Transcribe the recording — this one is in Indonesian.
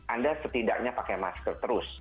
anda setidaknya pakai masker terus